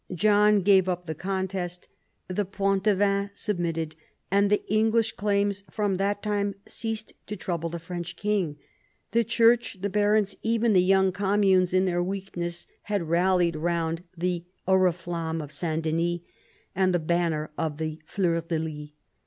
John gave up the contest. The Poitevins submitted ; and the English claims from that time ceased to trouble the French king. The Church, the barons, even the young communes in their weakness, had rallied round the 110 PHILIP AUGUSTUS chap. oriflamme of S. Denys and the banner of the fleurs de lys.